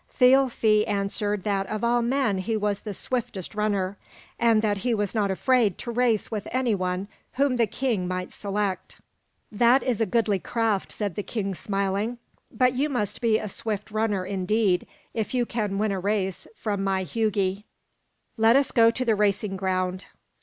Thialfi answered that of all men he was the swiftest runner, and that he was not afraid to race with any one whom the king might select. "That is a goodly craft," said the king, smiling; "but you must be a swift runner indeed if you can win a race from my Hugi. Let us go to the racing ground."